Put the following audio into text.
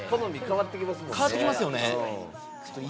好み変わってきますよね。